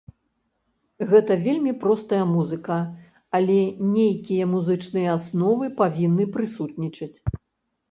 Гэта вельмі простая музыка, але нейкія музычныя асновы павінны прысутнічаць.